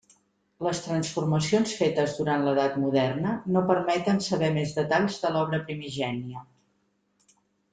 Les transformacions fetes durant l'edat moderna no permeten saber més detalls de l'obra primigènia.